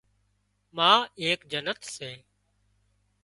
ما ايڪ جنت سي